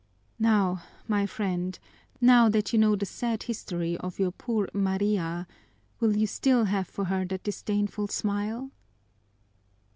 Now, my friend, now that you know the sad history of your poor Maria, will you still have for her that disdainful smile?"